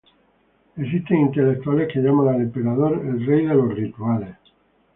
Existen intelectuales que llaman al emperador ""el Rey de los Rituales"".